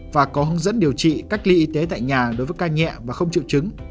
và có hướng dẫn điều trị cách ly y tế tại nhà đối với ca nhẹ và không triệu chứng